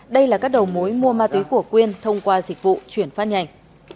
đây là các đầu mối mua ma túy của quyên thông qua dịch vụ chuyển phát nhanh